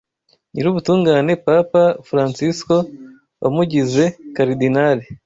Nyirubutungane Papa Francisco, wamugize Karidinali